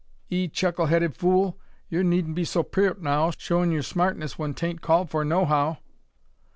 "'Ee chuckle headed fool! yur needn't be so peert now, showin' yur smartness when 'tain't called for nohow."